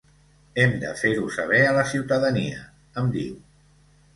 Hem de fer-ho saber a la ciutadania, em diu.